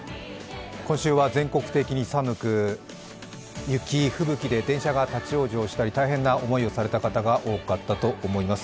今週は全国的に寒く雪、吹雪で電車が立往生したり大変な思いをされた方が多かったと思います。